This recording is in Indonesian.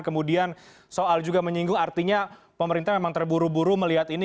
kemudian soal juga menyinggung artinya pemerintah memang terburu buru melihat ini